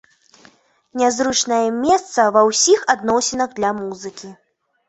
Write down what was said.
Нязручнае месца ва ўсіх адносінах для музыкі!